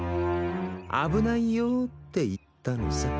「危ないよ」って言ったのさ。